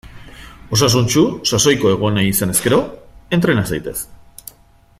Osasuntsu, sasoiko egon nahi izanez gero; entrena zaitez!